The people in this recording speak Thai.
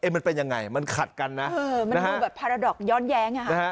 มันเป็นยังไงมันขัดกันนะมันดูแบบพาราดอกย้อนแย้ง